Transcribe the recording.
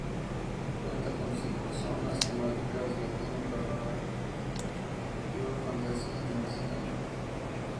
Cuenta con cinco zonas temáticas: Latino-Carnaval-Futuro-Fantasía-Internacional.